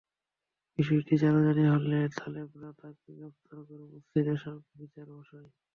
বিষয়টি জানাজানি হলে তালেবরা তাকে গ্রেপ্তার করে মসজিদের সামনে বিচার বসায়।